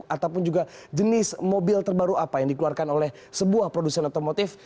ataupun juga jenis mobil terbaru apa yang dikeluarkan oleh sebuah produsen otomotif